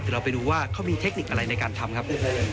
เดี๋ยวเราไปดูว่าเขามีเทคนิคอะไรในการทำครับ